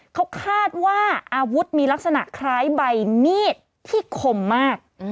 เขาคาดว่าอาวุธมีลักษณะคล้ายใบมีดที่คมมาก